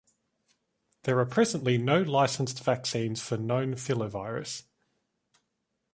There are presently no licensed vaccines for known filovirus.